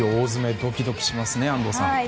ドキドキしますね、安藤さん。